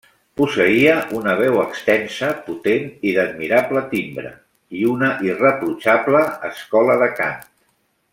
Posseïa una veu extensa, potent i d'admirable timbre, i una irreprotxable escola de cant.